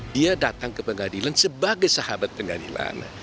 dia datang ke pengadilan sebagai sahabat pengadilan